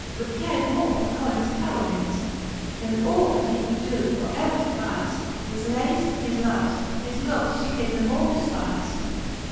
But cared more for Colins carolings. Then all that he could doe, or ever devize : His layes, his loves, his lookes flie did them all defpize.